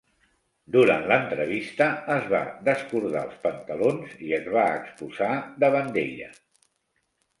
Durant l'entrevista es va descordar els pantalons i es va exposar davant d'ella.